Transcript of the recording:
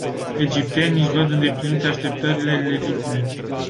Egiptenii își văd împlinite așteptările legitime.